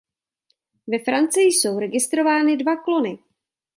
Ve Francii jsou registrovány dva klony.